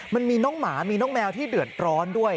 มันมีน้องหมามีน้องแมวที่เดือดร้อนด้วย